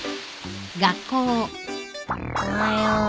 おはよう。